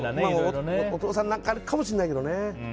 お父さんの中で何かあるかもしれないけどね。